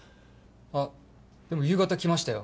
あっでも夕方来ましたよ。